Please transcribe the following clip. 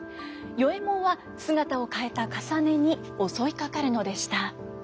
与右衛門は姿を変えたかさねに襲いかかるのでした。